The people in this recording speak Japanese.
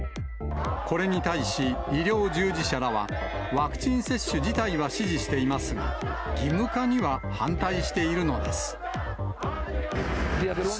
これに対し、医療従事者らはワクチン接種自体は支持していますが、義務化には反対しているのです。